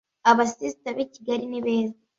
abasisita bi kigali ni beza